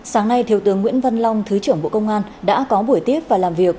sáng nay thiếu tướng nguyễn văn long thứ trưởng bộ công an đã có buổi tiếp và làm việc